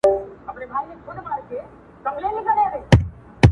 ښه يې نوم و، ښه قوت، ښه واکمني وه